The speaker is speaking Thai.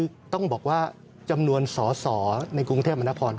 คือต้องบอกว่าจำนวนสอสอในกรุงเทพมนาคม